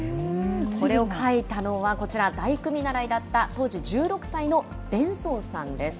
これを書いたのはこちら、大工見習いだった当時１６歳のベンソンさんです。